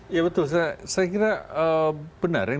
ya betul saya kira benar ya